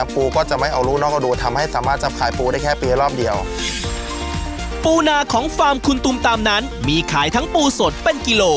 ปูนาของฟาร์มคุณตุมตามนั้นมีขายทั้งปูสดเป็นกิโล